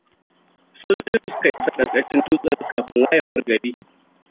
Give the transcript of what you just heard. Sojojin suka isa ƙarƙashin dutsen kafin wayewar gari.